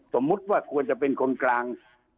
สมมุติว่าควรจะเป็นคนกลาง